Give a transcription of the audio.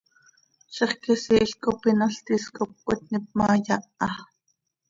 Zixquisiil cop inol tis cop cöitníp ma, yaha.